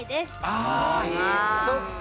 ああそっか。